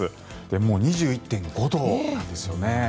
もう２１．５度なんですよね。